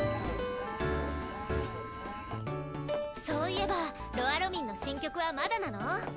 そういえばロアロミンの新曲はまだなの？